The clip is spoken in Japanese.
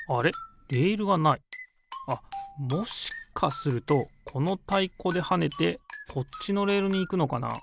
あっもしかするとこのたいこではねてこっちのレールにいくのかな？